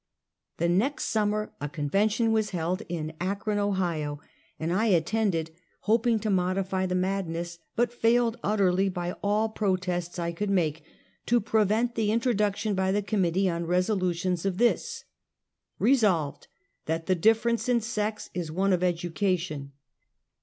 The next summer a convention was held in Akron, Ohio, and I attended, hoping to modify the madness, but failed utterly, by all protests I could make, to pre vent the introduction by the committee on resolutions of this: " Resolved, that the difl^erence in sex is one of edu cation."